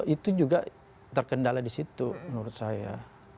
itu juga terkendala di situ menurut saya